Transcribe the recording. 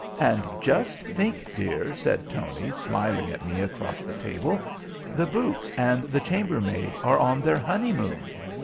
"And just think, dear," said Tony, smiling at me across the table. "The boots and the chambermaid are on their honeymoon.